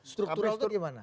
struktural itu gimana